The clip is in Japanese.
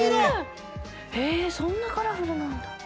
へえそんなカラフルなんだ。